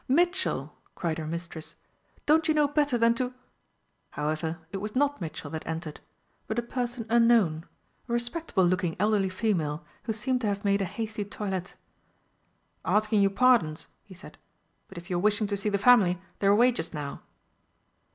"Mitchell!" cried her mistress, "don't you know better than to ?" However, it was not Mitchell that entered but a person unknown a respectable looking elderly female, who seemed to have made a hasty toilette. "Askin' your pardons," she said, "but if you were wishing to see the family, they're away just now."